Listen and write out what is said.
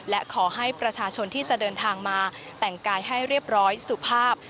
และขอให้ประชาชนที่จะเดินทางมาแต่งกายให้เรียบร้อยสุภาพ